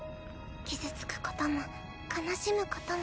傷つくことも悲しむことも。